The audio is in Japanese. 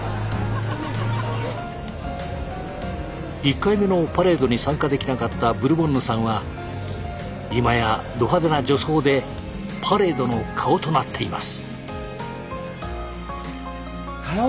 １回目のパレードに参加できなかったブルボンヌさんは今やど派手な女装でパレードの顔となっています。